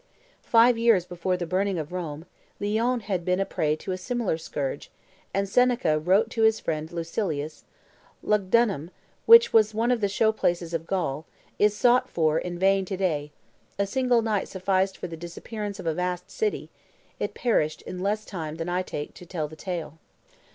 Five years before the burning of Rome, Lyons had been a prey to a similar scourge, and Seneca wrote to his friend Lucilius, "Lugdunum, which was one of the show places of Gaul, is sought for in vain to day; a single night sufficed for the disappearance of a vast city; it perished in less time than I take to tell the tale."